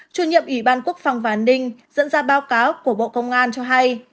chủ nhiệm ủy ban quốc phòng và an ninh dẫn ra báo cáo của bộ công an cho hay